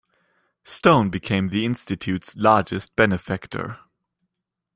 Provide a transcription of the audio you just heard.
Stone became the Institute's largest benefactor.